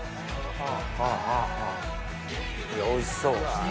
いやおいしそう。